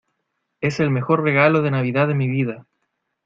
es el mejor regalo de Navidad de mi vida.